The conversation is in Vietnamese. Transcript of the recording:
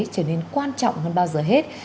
trở nên quan trọng hơn bao giờ hết